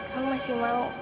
kamu masih mau